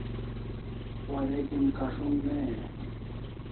Wareg'in kas'ong ne e?